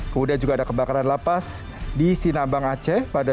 kemudian juga ada kebakaran la paz di sinabang aceh pada dua ribu sembilan belas